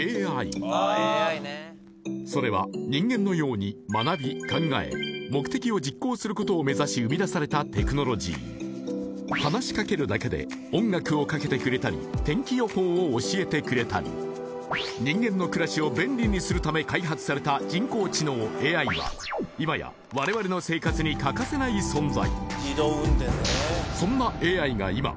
それは人間のように学び考え目的を実行することを目指し生み出されたテクノロジー話しかけるだけで音楽をかけてくれたり天気予報を教えてくれたり人間の暮らしを便利にするため開発された人工知能ＡＩは今や我々の生活に欠かせない存在